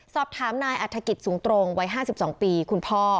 สอบถามนายอัฐกิจสูงตรงวัย๕๒ปีคุณพ่อ